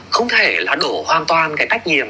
không thể là đổ hoàn toàn cái tách nhiệm